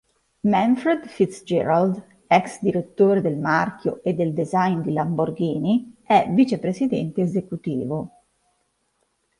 Manfred Fitzgerald, ex direttore del marchio e del design di Lamborghini, è vicepresidente esecutivo.